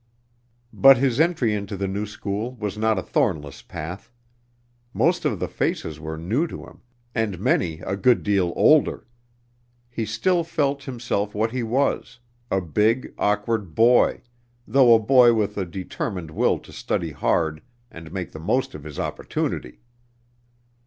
But his entry into the new school was not a thornless path. Most of the faces were new to him, and many a good deal older. He still felt himself what he was a big, awkward boy, though a boy with a determined will to study hard and make the most of his opportunity.